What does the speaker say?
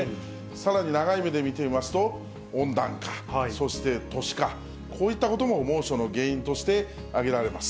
さらに長い目で見てみますと、温暖化、そして都市化、こういったことも猛暑の原因として挙げられます。